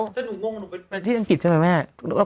แต่หนูงงหนูไปที่อังกฤษใช่ไหมแม่